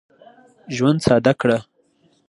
ژوند ساده کړه.